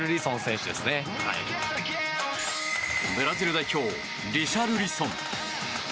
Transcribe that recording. ブラジル代表リシャルリソン。